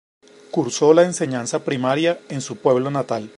Cursó la enseñanza primaria en su pueblo natal.